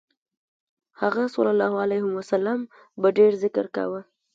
هغه ﷺ به ډېر ذکر کاوه.